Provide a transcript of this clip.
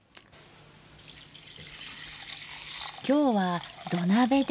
今日は土鍋で。